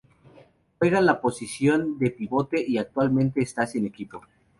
Juega en la posición de pivote y actualmente está sin equipo.